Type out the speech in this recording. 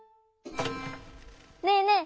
ねえねえ